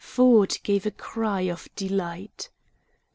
Ford gave a cry of delight.